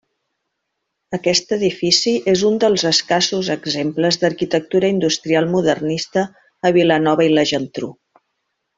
Aquest edifici és un dels escassos exemples d'arquitectura industrial modernista a Vilanova i la Geltrú.